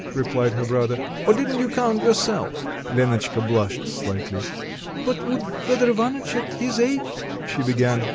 replied her brother,... "or didn't you count yourself?" Lenotchka blushed slightly. "But would Fedor Ivanitch, at his age " she began.